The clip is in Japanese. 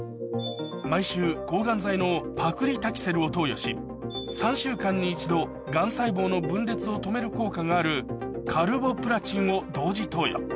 毎週抗がん剤のパクリタキセルを投与し３週間に１度がん細胞の分裂を止める効果があるカルボプラチンを同時投与